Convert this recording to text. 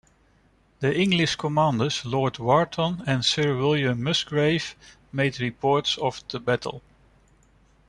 The English commanders Lord Wharton and Sir William Musgrave made reports of the battle.